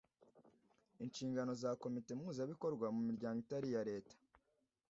Inshingano za komite mpuzabikorwa mu miryango itari iya leta